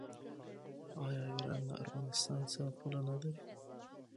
آیا ایران له ارمنستان سره پوله نلري؟